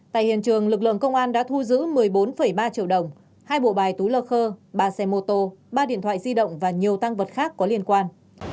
tại hiện trường lực lượng công an đã thu giữ một mươi bốn ba triệu đồng hai bộ bài túi lơ khơ ba xe mô tô ba điện thoại di động và nhiều tăng vật khác có liên quan